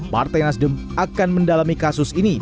partai nasdem akan mendalami kasus ini